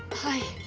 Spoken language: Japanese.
はい。